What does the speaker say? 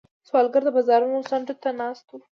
سوالګر د بازارونو څنډو ته ناست وي